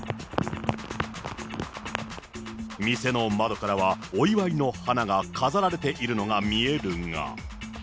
店の窓からはお祝いの花が飾られているのが見えるが。